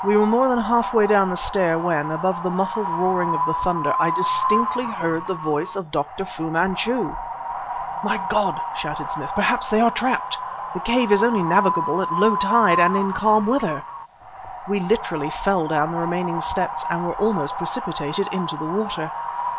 We were more than half way down the stair when, above the muffled roaring of the thunder, I distinctly heard the voice of Dr. Fu Manchu! "My God!" shouted Smith, "perhaps they are trapped! The cave is only navigable at low tide and in calm weather!" We literally fell down the remaining steps ... and were almost precipitated into the water!